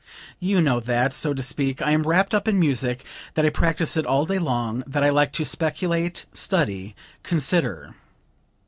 You know that, so to speak, I am wrapped up in music, that I practice it all day long, that I like to speculate, study, consider.